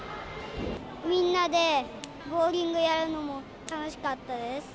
みんなでボウリングやるのも楽しかったです。